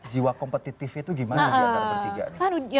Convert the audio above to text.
jiwa kompetitif itu gimana diantara bertiga